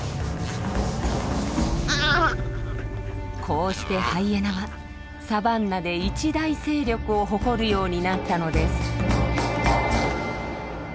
こうしてハイエナはサバンナで一大勢力を誇るようになったのです。